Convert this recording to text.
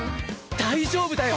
大丈夫だよ。